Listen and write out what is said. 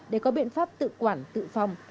để có biện pháp tự quản tự phòng